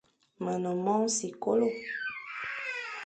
Me ne mong sikolo.